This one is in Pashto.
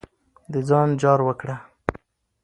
د ځان جار وکړه.